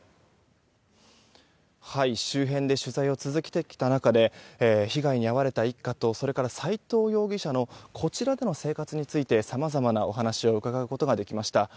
周辺で取材を続けてきた中で被害に遭われた一家と斎藤容疑者のこちらでの生活についてさまざまなお話を伺うことができました。